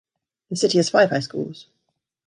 The city has five high schools.